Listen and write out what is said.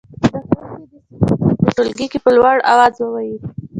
زده کوونکي دې صفتونه په ټولګي کې په لوړ اواز ووايي.